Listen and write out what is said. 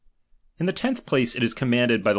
Iq tiie tenth place it is commanded by the i^bo.